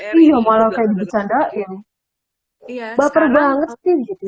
iya malah kayak dibicara baper banget sih